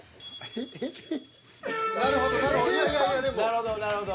なるほどなるほど。